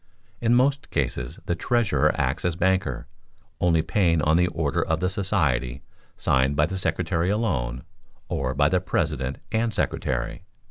In most cases the treasurer acts as banker, only paying on the order of the society, signed by the secretary alone, or by the president and secretary.